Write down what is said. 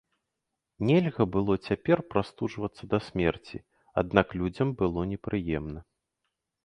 Нельга было цяпер прастуджвацца да смерці, аднак людзям было непрыемна.